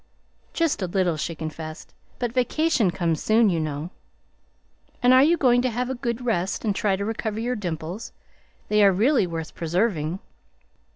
"Just a little," she confessed. "But vacation comes soon, you know." "And are you going to have a good rest and try to recover your dimples? They are really worth preserving."